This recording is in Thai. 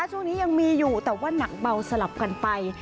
ช่วงนี้ยังมีอยู่แต่ว่าหนักเบาสลับกันไป